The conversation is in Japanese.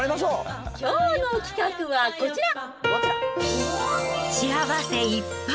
きょうの企画はこちら。